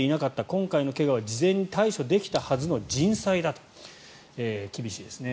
今回の怪我は事前に対処できたはずの人災だと厳しいですね。